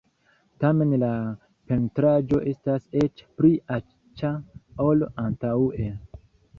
Tamen la pentraĵo estas eĉ pli aĉa ol antaŭe.